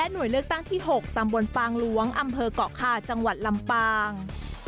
หน่วยเลือกตั้งที่๖ตำบลปางหลวงอำเภอกเกาะคาจังหวัดลำปาง